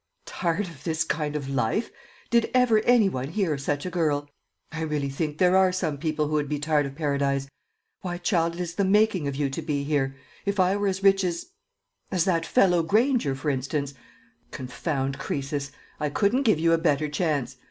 "Tired of this kind of life! Did ever any one hear of such a girl! I really think there are some people who would be tired of Paradise. Why, child, it is the making of you to be here! If I were as rich as as that fellow Granger, for instance; confound Croesus! I couldn't give you a better chance.